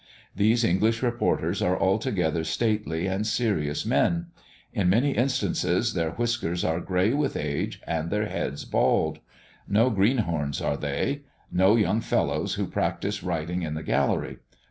These English reporters are altogether stately and serious men; in many instances, their whiskers are grey with age and their heads bald. No green horns are they; no young fellows, who practise writing in the gallery.